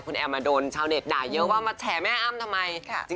คุณแอมมาโดนชาวเน็ตด่าเยอะว่ามาแฉแม่อ้ำทำไม